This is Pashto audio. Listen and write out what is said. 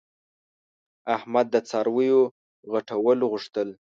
احمد د څارویو غټول غوښتل.